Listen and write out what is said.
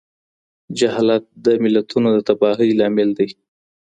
جهالت د ملتونو د تباهۍ لامل دی.